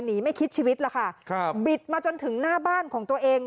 ไม่คิดชีวิตล่ะค่ะครับบิดมาจนถึงหน้าบ้านของตัวเอง